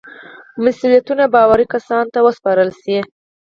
مسئولیتونه باوري کسانو ته وسپارل شي.